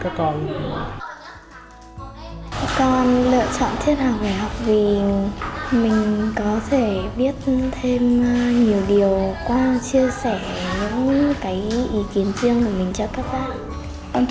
các con lựa chọn thiết học về học vì mình có thể biết thêm nhiều điều qua chia sẻ những cái ý kiến riêng của mình cho các bạn